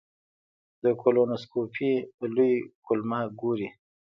د کولونوسکوپي لوی کولمه ګوري.